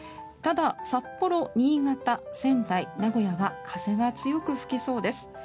ただ札幌、新潟、仙台、名古屋は風が強く吹きそうです。